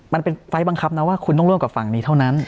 มันเป็นไฟล์บังคับนะว่าคุณต้องร่วมกับฝั่งนี้เท่านั้น